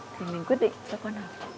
thì mình quyết định cho con học